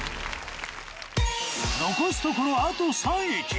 残すところあと３駅。